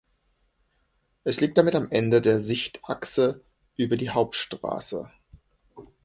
Es liegt damit am Ende der Sichtachse über die Hauptstraße.